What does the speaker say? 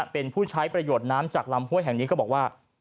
เป็นผู้ใช้ประโยชน์น้ำจากลำห้วยแห่งนี้ก็บอกว่า